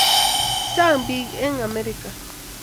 Chang' bik eng' Amerika